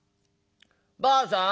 ばあさん。